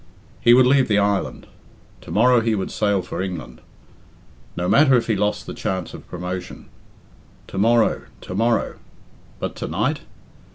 He would leave the island. To morrow he would sail for England. No matter if he lost the chance of promotion. To morrow, to morrow! But to night?